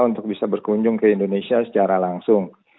untuk bisa berkunjung ke indonesia secara langsung